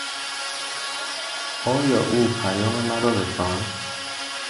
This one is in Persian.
آیا او پیام مرا رساند؟